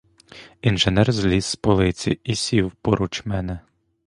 Інженер зліз з полиці і сів поруч мене.